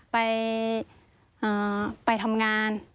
ไปทำงาน